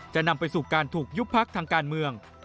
จะนำไปสู่การถูกยุบพักทางการเมือง